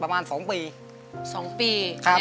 สวัสดีครับ